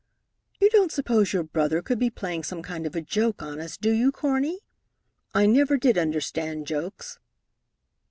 "You don't suppose your brother could be playing some kind of a joke on us, do you, Cornie? I never did understand jokes."